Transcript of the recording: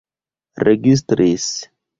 registris